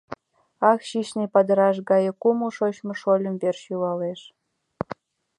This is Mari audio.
Ах, чинче падыраш гае кумыл шочмо шольым верч йӱлалеш.